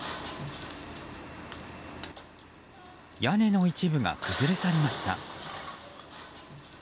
屋根の一部が崩れ去りました。